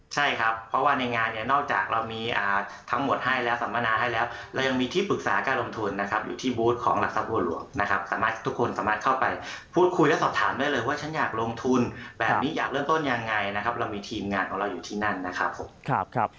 ใช่ครับเพราะว่าในงานเนี่ยนอกจากเรามีทั้งหมดให้แล้วสัมมนาให้แล้วเรายังมีที่ปรึกษาการลงทุนนะครับอยู่ที่บูธของหลักทรัพย์บัวหลวงนะครับสามารถทุกคนสามารถเข้าไปพูดคุยและสอบถามได้เลยว่าฉันอยากลงทุนแบบนี้อยากเริ่มต้นยังไงนะครับเรามีทีมงานของเราอยู่ที่นั่นนะครับผม